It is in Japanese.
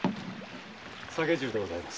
「酒重」でございます。